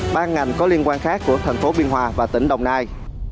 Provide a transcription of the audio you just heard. ban ngành có liên quan khác của thành phố biên hòa và tỉnh đồng nai